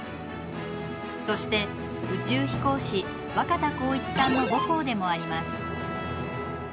そして宇宙飛行士若田光一さんの母校でもあります。